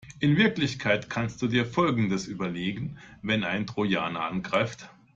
In Wirklichkeit kannst du dir Folgendes überlegen, wenn ein Trojaner angreift.